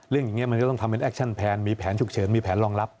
อย่างนี้มันก็ต้องทำเป็นแอคชั่นแผนมีแผนฉุกเฉินมีแผนรองรับ